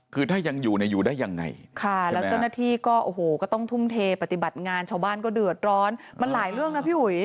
คือถ้ายังอยู่เนี่ยอยู่ได้ยังไงค่ะแล้วเจ้าหน้าที่ก็โอ้โหก็ต้องทุ่มเทปฏิบัติงานชาวบ้านก็เดือดร้อนมันหลายเรื่องนะพี่อุ๋ย